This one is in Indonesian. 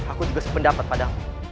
aku juga sependapat padamu